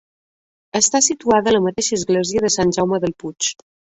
Està situada a la mateixa església de Sant Jaume del Puig.